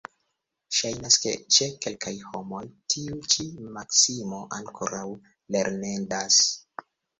Ŝajnas, ke ĉe kelkaj homoj tiu ĉi maksimo ankoraŭ lernendas.